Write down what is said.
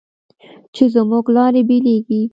چې زموږ لارې بېلېږي